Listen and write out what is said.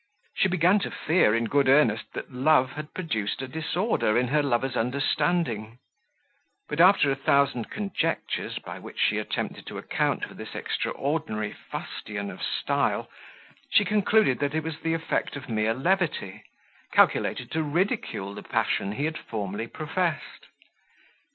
She began to fear in good earnest that love had produced a disorder in her lover's understanding; but after a thousand conjectures by which she attempted to account for this extraordinary fustian of style, she concluded that it was the effect of mere levity, calculated to ridicule the passion he had formerly professed.